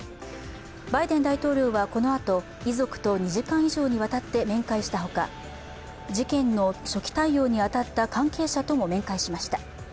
バイデン大統領はこのあと、遺族と２時間以上にわたって面会したほか、事件の初期対応に当たった関係者とも面会しました。